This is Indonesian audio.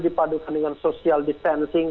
dipadukan dengan social distancing